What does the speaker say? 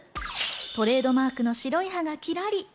トレードマークの白い歯がキラリ。